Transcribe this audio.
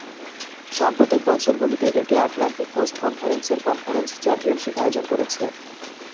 সাম্প্রতিক বছরগুলিতে এটি আটলান্টিক কোস্ট কনফারেন্সের কনফারেন্স চ্যাম্পিয়নশিপ আয়োজন করেছে।